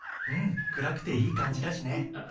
うん暗くていい感じだしね。